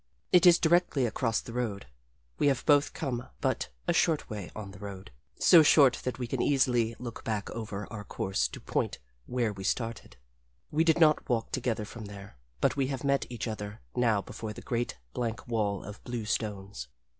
It is directly across the road. We have both come but a short way on the road so short that we can easily look back over our course to the point where we started. We did not walk together from there, but we have met each other now before the great, blank wall of blue stones.